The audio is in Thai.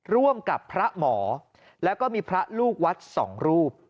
ร่วมกับพระหมอแล้วก็มีพระลูกวัดสองรูป